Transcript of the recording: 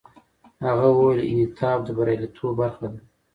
هغه وویل، انعطاف د بریالیتوب برخه ده.